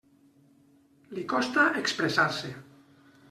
Li costa expressar-se.